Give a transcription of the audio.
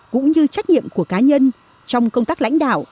cũng như trách nhiệm của cá nhân trong công tác lãnh đạo